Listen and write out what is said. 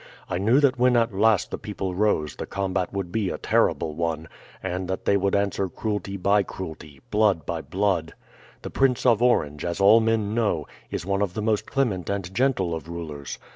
I knew that when at last the people rose the combat would be a terrible one, and that they would answer cruelty by cruelty, blood by blood. The Prince of Orange, as all men know, is one of the most clement and gentle of rulers.